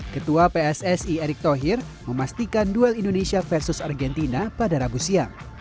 ketua pssi erick thohir memastikan duel indonesia versus argentina pada rabu siang